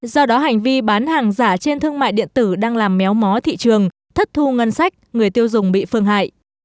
do đó hành vi bán hàng giả trên thương mại điện tử đang làm méo mó thị trường thất thu ngân sách người tiêu dùng bị phương hại